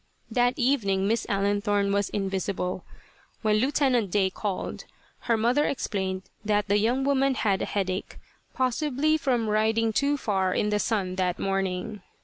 That evening Miss Allenthorne was invisible. When Lieutenant Day called, her mother explained that the young woman had a headache, possibly from riding too far in the sun that morning.